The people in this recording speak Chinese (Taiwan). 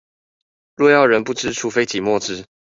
若要人不知，除非擠墨汁